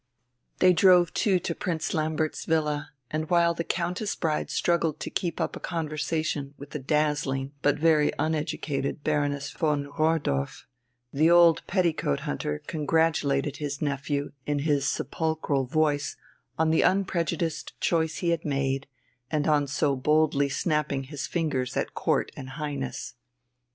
They drove too to Prince Lambert's villa, and while the Countess bride struggled to keep up a conversation with the dazzling but very uneducated Baroness von Rohrdorf, the old petticoat hunter congratulated his nephew in his sepulchral voice on the unprejudiced choice he had made, and on so boldly snapping his fingers at Court and Highness.